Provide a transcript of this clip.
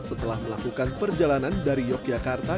setelah melakukan perjalanan dari yogyakarta